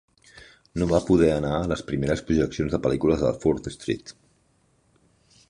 No va poder anar a les primeres projeccions de pel·lícules al Fourth Street.